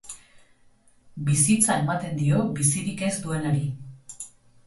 Bizitza ematen dio bizirik ez duenari.